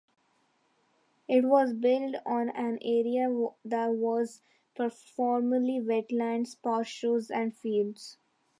It was built on an area that was formerly wetlands, pastures, and fields.